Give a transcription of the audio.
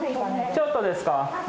ちょっとですか？